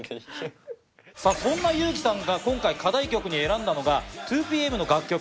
さぁそんなユウキさんが今回課題曲に選んだのが２ＰＭの楽曲。